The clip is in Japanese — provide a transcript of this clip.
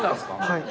はい。